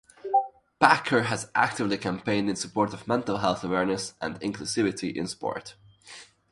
Packer has actively campaigned in support of mental health awareness and inclusivity in sport.